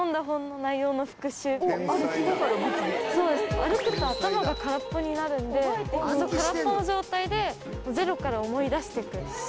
そうです歩くと頭が空っぽになるんで空っぽの状態でゼロから思い出してく。